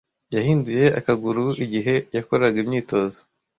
Yahinduye akaguru igihe yakoraga imyitozo.